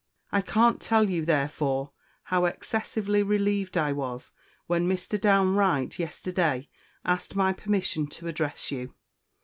I can't tell you, therefore, how excessively relieved I was when Mr. Downe Wright yesterday asked my permission to address you.